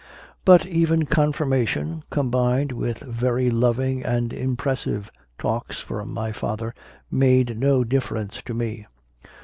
But even Confirmation, combined with very loving and impressive talks from my father, made no dif ference to me.